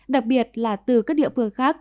đặc biệt là từ các địa phương khác